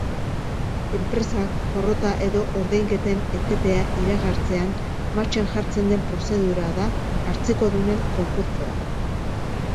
Enpresak porrota edo ordainketen etetea iragartzean martxan jartzen den prozedura da hartzekodunen konkurtsoa.